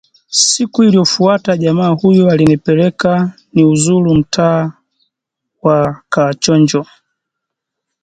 Siku iliyofuata, jamaa huyo alinipeleka niuzuru mtaa wa Kaachonjo